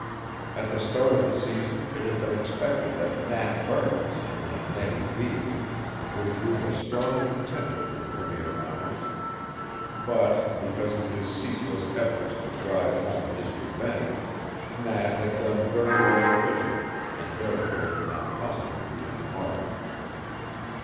At the start of the season it had been expected that Nat Burns in the Nettie B. would prove a strong contender for premier honors, but, because of his ceaseless efforts to drive home his revenge, Nat had done very little fishing and therefore could not possibly be in the market.